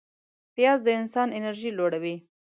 پیاز د انسان انرژي لوړوي